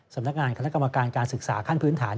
สำนักงานคณะกรรมการการศึกษาขั้นพื้นฐาน